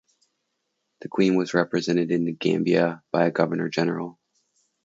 The Queen was represented in the Gambia by a Governor-General.